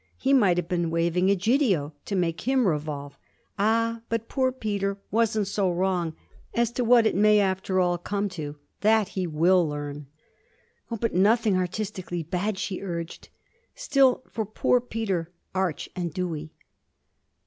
He might have been waving Egidio to make him revolve. 'Ah but poor Peter wasn't so wrong as to what it may after all come to that he will learn.' 'Oh but nothing artistically bad,' she urged still, for poor Peter, arch and dewy.